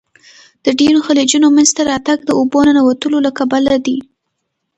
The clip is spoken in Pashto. د ډیرو خلیجونو منځته راتګ د اوبو ننوتلو له کبله دی.